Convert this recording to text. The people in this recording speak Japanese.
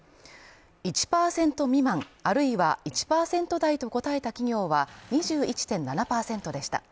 １％未満、あるいは１％台と答えた企業は２１．７％でした。